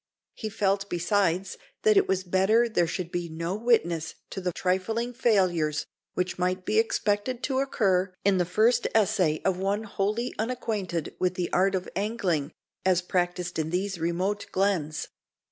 He felt, besides, that it was better there should be no witness to the trifling failures which might be expected to occur in the first essay of one wholly unacquainted with the art of angling, as practised in these remote glens.